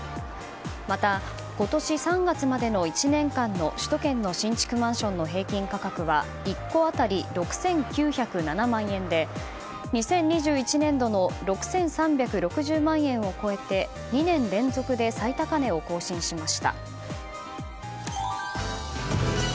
また、今年３月までの１年間の首都圏の新築マンションの平均価格は１戸当たり６９０７万円で２０２１年度の６３６０万円を超えて２年連続で最高値を更新しました。